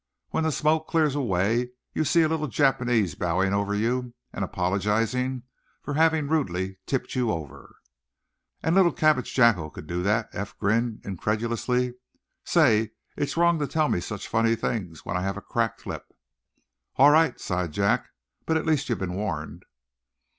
When the smoke clears away you see a little Japanese bowing over you, and apologizing for having rudely tipped you over." "And little Cabbage Jacko could do that?" Eph grinned, incredulously. "Say, it's wrong to tell me such funny things when I have a cracked lip." "All right," sighed Jack. "But at least you've been warned."